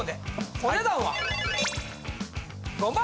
お値段は！